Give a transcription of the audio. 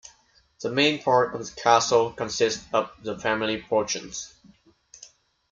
The main part of the castle consists of the family portions.